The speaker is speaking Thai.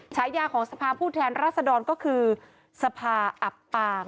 ฉายาของสภาพผู้แทนรัศดรก็คือสภาอับปาง